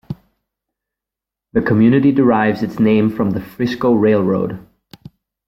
The community derives its name from the Frisco Railroad.